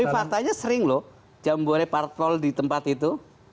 tapi faktanya sering loh jambore partpol di tempat itu